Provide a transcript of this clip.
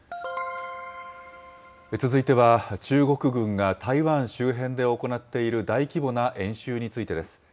続いては、中国軍が台湾周辺で行っている大規模な演習についてです。